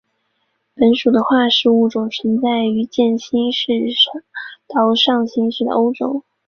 本属的化石物种存在于渐新世到上新世的欧洲。